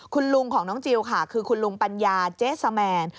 คุณลุงของน้องจิลค่ะคือคุณลุงปัญญาเจ๊สแมน